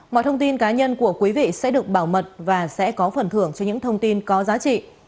mọi thông tin cá nhân của quý vị sẽ được bảo mật và sẽ có phần thưởng cho những thông tin có giá trị